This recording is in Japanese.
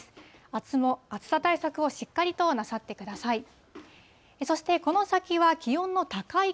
あすも暑さ対策をしっかりとなさってください。